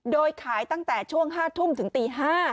โดยขายตั้งแต่ช่วง๕ทุ่มถึงตี๕